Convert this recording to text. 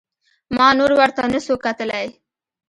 ما نور ورته نسو کتلى.